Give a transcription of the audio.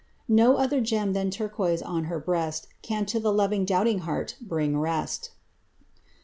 No other gem than turquoise on her breast Can to the loving, doubting heart bring rest.